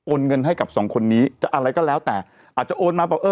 เงินให้กับสองคนนี้จะอะไรก็แล้วแต่อาจจะโอนมาบอกเออ